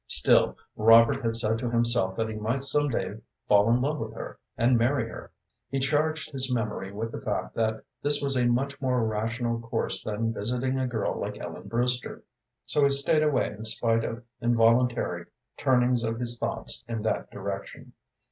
Still, Robert had said to himself that he might some day fall in love with her and marry her. He charged his memory with the fact that this was a much more rational course than visiting a girl like Ellen Brewster, so he stayed away in spite of involuntary turnings of his thoughts in that direction.